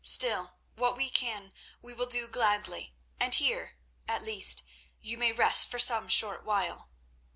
Still, what we can we will do gladly, and here, at least, you may rest for some short while.